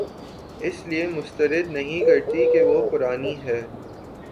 اس لیے مسترد نہیں کرتی کہ وہ پرانی ہے